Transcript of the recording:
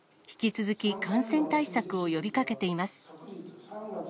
引き続き、感染対策を呼びかけています。